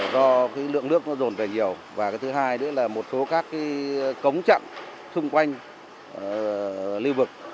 do cái lượng nước nó rồn về nhiều và cái thứ hai nữa là một số các cống chặn xung quanh lưu vực